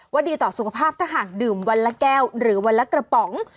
ดีต่อสุขภาพถ้าหากดื่มวันละแก้วหรือวันละกระป๋อง